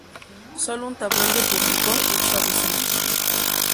Solo un tabloide publicó dicho aviso.